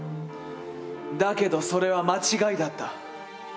だけどそれは間違いだった。